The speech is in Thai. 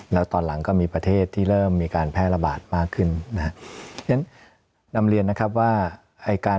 แล้วตอนหลังก็มีประเทศที่เริ่มมีการแพร่ระบาดมากขึ้นนะฮะฉะนั้นนำเรียนนะครับว่าไอ้การ